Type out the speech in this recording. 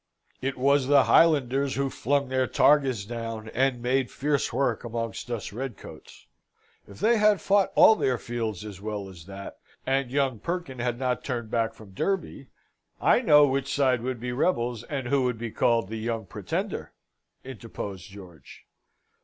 "It was the Highlanders who flung their targes down, and made fierce work among us redcoats. If they had fought all their fields as well as that, and young Perkin had not turned back from Derby " "I know which side would be rebels, and who would be called the Young Pretender," interposed George.